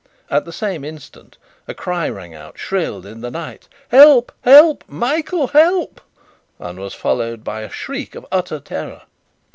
At the same instant a cry rang out, shrill in the night: "Help, help! Michael, help!" and was followed by a shriek of utter terror.